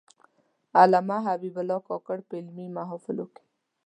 علامه حبیب الله کاکړ په علمي محافلو کې.